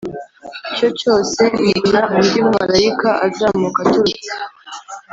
cyo cyose Mbona undi mumarayika azamuka aturutse